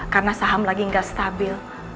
karena saham lagi gak stabil